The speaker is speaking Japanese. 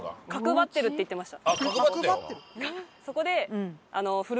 戻って左って言ってました。